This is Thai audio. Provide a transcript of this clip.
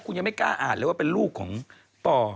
คุณยังไม่กล้าอ่านเลยว่าเป็นลูกของป่อ